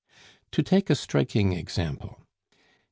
To take a striking example.